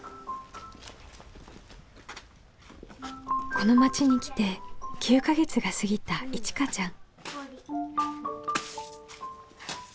この町に来て９か月が過ぎたいちかちゃん。